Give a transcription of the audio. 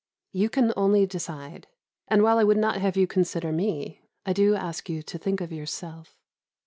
You can only decide, and while I would not have you consider me, I do ask you to think of yourself.